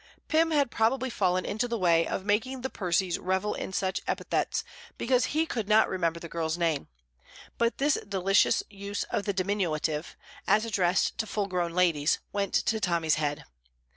Pym had probably fallen into the way of making the Percys revel in such epithets because he could not remember the girl's name; but this delicious use of the diminutive, as addressed to full grown ladies, went to Tommy's head.